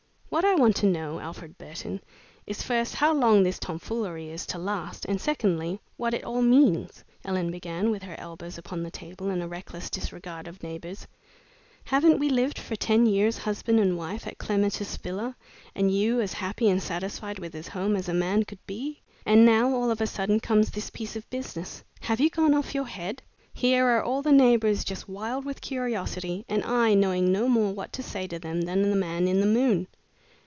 "What I want to know, Alfred Burton, is first how long this tomfoolery is to last, and secondly what it all means?" Ellen began, with her elbows upon the table and a reckless disregard of neighbors. "Haven't we lived for ten years, husband and wife, at Clematis Villa, and you as happy and satisfied with his home as a man could be? And now, all of a sudden, comes this piece of business. Have you gone off your head? Here are all the neighbors just wild with curiosity, and I knowing no more what to say to them than the man in the moon."